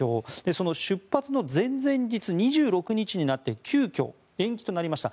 その出発の前々日２６日になって急きょ、延期となりました。